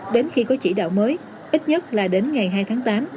đến khi có chỉ đạo mới ít nhất là đến ngày hai tháng tám